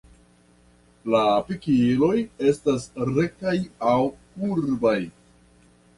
La pikiloj estas rektaj aŭ kurbaj.